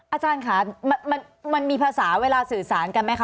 อาจารย์ค่ะมันมีภาษาเวลาสื่อสารกันไหมคะ